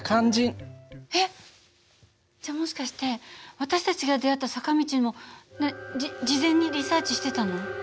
えっじゃあもしかして私たちが出会った坂道もじ事前にリサーチしてたの？